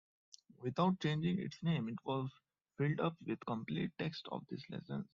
Without changing its name it was filled up with complete texts of these lessons.